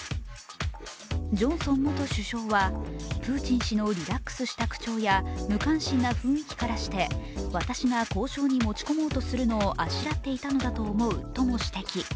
ジョンソン元首相は、プーチン氏のリラックスした口調や無関心な雰囲気からして、私が交渉に持ち込もうとするのをあしらっていたんだと思うとも指摘。